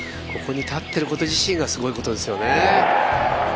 ここに立ってること自体がすごいことですよね。